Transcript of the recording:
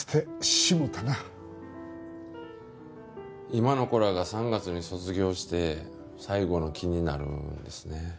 今の子らが３月に卒業して最後の期になるんですね。